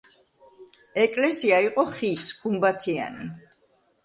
ეკლესია იყო ხის, გუმბათიანი.